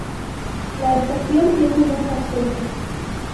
La estación tiene dos accesos.